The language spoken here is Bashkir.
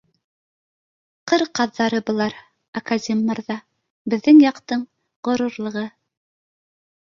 Ҡыр ҡаҙҙары былар, академ мырҙа, беҙҙең яҡтың ғорурлығы